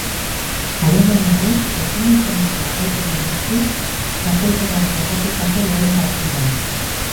Alemaniarrek ezin izan dute garaipena lortu txapelketan jokatutako lehen partidan.